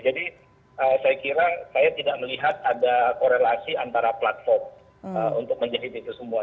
jadi saya kira saya tidak melihat ada korelasi antara platform untuk menjahit itu semua